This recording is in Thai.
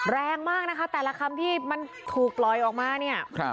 แรงมากนะคะแต่ละคำที่มันถูกปล่อยออกมาเนี่ย